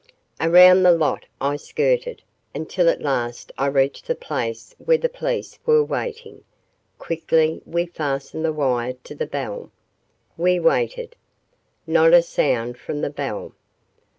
Around the lot I skirted, until at last I reached the place where the police were waiting. Quickly we fastened the wire to the bell. We waited. Not a sound from the bell.